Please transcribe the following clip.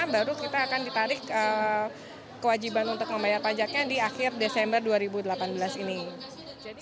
baru kita akan ditarik kewajiban untuk membayar pajaknya di akhir desember dua ribu delapan belas ini